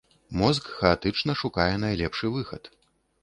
Мозг хаатычна шукае найлепшы выхад.